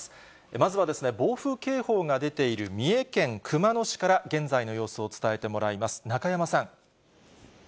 まずは、暴風警報が出ている三重県熊野市から、現在の様子を伝えてもらいます。